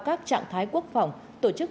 các trạng thái quốc phòng tổ chức